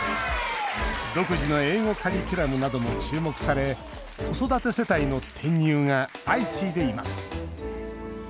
独自の英語カリキュラムなども注目され子育て世帯の転入が相次いでいます。